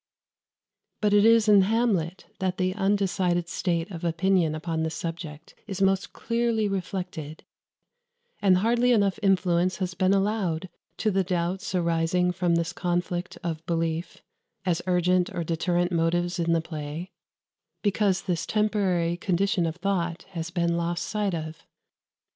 But it is in "Hamlet" that the undecided state of opinion upon this subject is most clearly reflected; and hardly enough influence has been allowed to the doubts arising from this conflict of belief, as urgent or deterrent motives in the play, because this temporary condition of thought has been lost sight of.